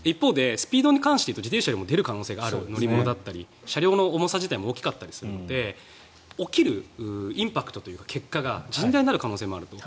一方で、スピードに関して言うと自転車よりも出る可能性がある乗り物だったり車両の重さ自体も大きかったりするので起きるインパクトというか結果が甚大になる可能性もある。